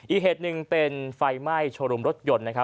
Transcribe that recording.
อีกเหตุหนึ่งเป็นไฟม่ายโชรุมรถยนต์